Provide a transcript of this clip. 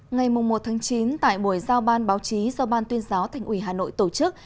ngày một chín tại buổi giao ban báo chí do ban tuyên giáo thành ủy hà nội tổ chức